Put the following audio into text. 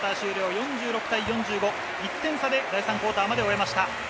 ４６対４５、１点差で第３クオーターまで終えました。